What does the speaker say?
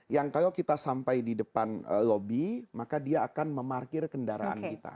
yang kalau kita sampai di depan lobi maka dia akan memarkir kendaraan kita